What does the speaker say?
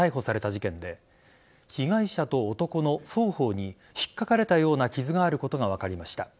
事件で被害者と男の双方に引っかかれたような傷があることが分かりました。